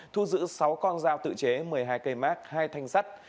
thu giữ sáu con dao tự chế một mươi hai cây mát hai thanh sắt